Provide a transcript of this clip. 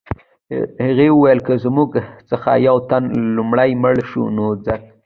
هغې وویل که زموږ څخه یو تن لومړی مړ شو نو څه